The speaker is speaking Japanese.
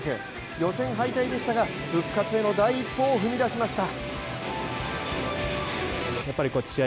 予選敗退でしたが復活への第一歩を踏み出しました。